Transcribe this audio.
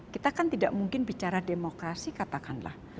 kita kan tidak mungkin bicara demokrasi katakanlah